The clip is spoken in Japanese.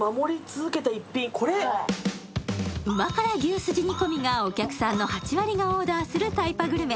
旨辛牛すじ煮込みがお客さんの８割がオーダーするタイパグルメ。